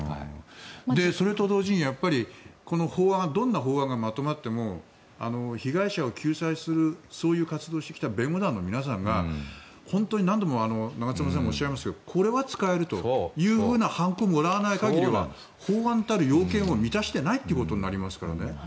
それと同時にやっぱりどんな法案がまとまっても被害者を救済する活動をしてきた弁護団の皆さんが本当に何度も長妻さんがおっしゃいましたけどこれは使えるというはんこをもらわない限りは法案たる要件を満たしていないことになりますよね。